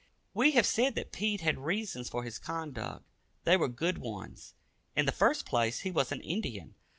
We have said that Pete had reasons for his conduct. They were good ones. In the first place, he was an Indian.